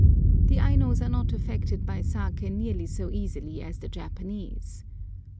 The Ainos are not affected by saké nearly so easily as the Japanese.